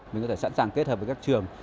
mình có thể sẵn sàng kết hợp với các trường